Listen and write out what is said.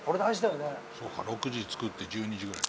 「そうか６時に作って１２時ぐらいか」